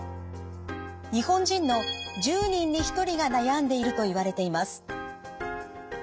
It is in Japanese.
日本人の１０人に１人が悩んでいるといわれています。